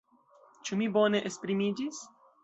Ĉu mi bone esprimiĝis?